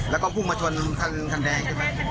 แล้วก็พุ่งมาชนคันแดงใช่ไหม